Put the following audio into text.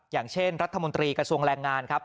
อย่างเช่นรัฐมนตรีกระทรวงแรงงานครับ